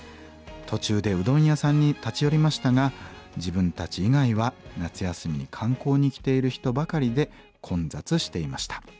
途中でうどん屋さんに立ち寄りましたが自分たち以外は夏休みに観光に来ている人ばかりで混雑していました。